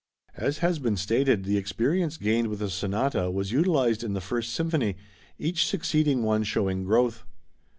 As has been stated, the experience gained with the sonata was utilized in the First Symphony, each succeeding one showing growth.